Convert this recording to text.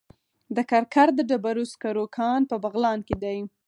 د کرکر د ډبرو سکرو کان په بغلان کې دی.